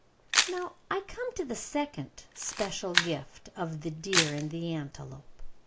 ] Now I come to the second special gift of the deer and the antelope.